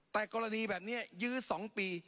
แต่กรณีแบบนี้ยื้อ๒ปี